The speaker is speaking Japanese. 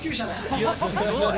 いや、すごい。